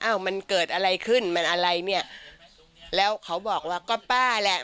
มันเกิดอะไรขึ้นมันอะไรเนี่ยแล้วเขาบอกว่าก็ป้าแหละ